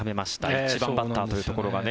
１番バッターというところがね。